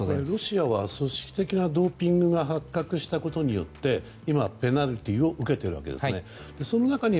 ロシアは組織的なドーピングが発覚したことによってペナルティーを受けてるわけですね。